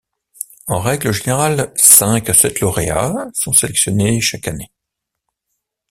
En règle générale, cinq à sept lauréats sont sélectionnés chaque année.